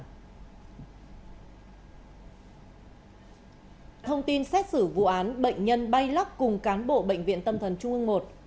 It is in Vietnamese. thông tin xét xử vụ án bệnh nhân bay lắc cùng cán bộ bệnh viện tâm thần trung ương i